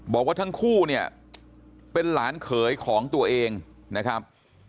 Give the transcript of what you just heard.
บอกว่าทั้งคู่เนี่ยเป็นหลานเขยของตัวเองนะครับ